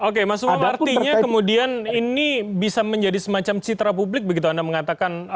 oke mas umam artinya kemudian ini bisa menjadi semacam citra publik begitu anda mengatakan